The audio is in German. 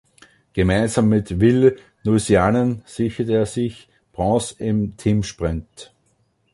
Gemeinsam mit Ville Nousiainen sicherte er sich Bronze im Teamsprint.